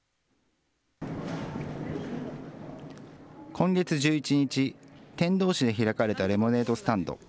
今月１１日、天童市で開かれたレモネードスタンド。